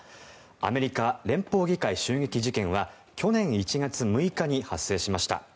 アメリカ連邦議会襲撃事件は去年１月６日に発生しました。